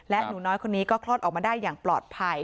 และหนูน้อยคนนี้ก็คลอดออกมาได้อย่างปลอดภัย